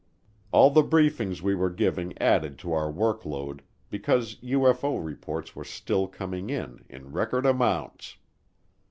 All the briefings we were giving added to our work load because UFO reports were still coming in in record amounts.